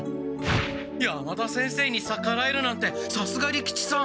山田先生にさからえるなんてさすが利吉さん。